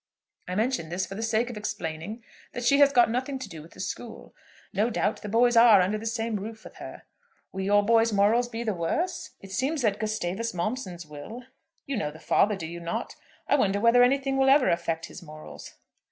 I mention this for the sake of explaining that she has got nothing to do with the school. No doubt the boys are under the same roof with her. Will your boy's morals be the worse? It seems that Gustavus Momson's will. You know the father; do you not? I wonder whether anything will ever affect his morals?